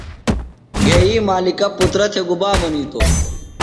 گھئی مالِکہ پُترہ تھےۡ گُبا منِیتوۡ؟